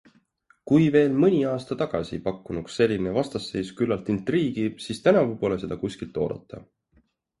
Kui veel mõni aasta tagasi pakkunuks selline vastasseis küllalt intriigi, siis tänavu pole seda kuskilt oodata.